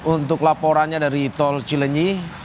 untuk laporannya dari tol cilenyi